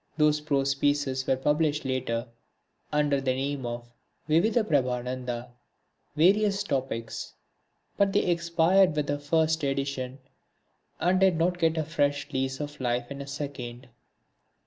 These prose pieces were published later under the name of Vividha Prabandha, Various Topics, but they expired with the first edition and did not get a fresh lease of life in a second.